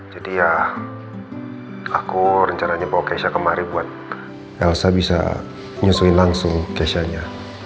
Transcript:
jadi ya aku rencananya bawa keisha kemari buat elsa bisa nyusuin langsung keishanya